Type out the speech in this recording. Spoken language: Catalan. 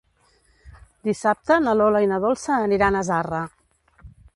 Dissabte na Lola i na Dolça aniran a Zarra.